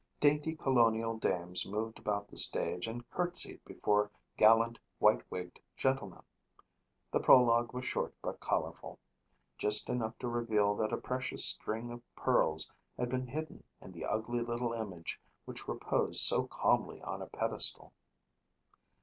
Dainty colonial dames moved about the stage and curtsied before gallant white wigged gentlemen. The prologue was short but colorful. Just enough to reveal that a precious string of pearls had been hidden in the ugly little image which reposed so calmly on a pedestal.